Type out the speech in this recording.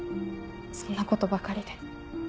そんなことばかりで。